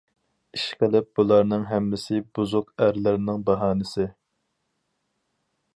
ئىشقىلىپ بۇلارنىڭ ھەممىسى بۇزۇق ئەرلەرنىڭ باھانىسى.